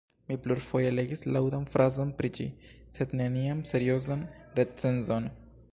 Mi plurfoje legis laŭdan frazon pri ĝi, sed neniam seriozan recenzon.